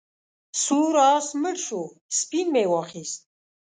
سور آس مړ شو سپین مې واخیست.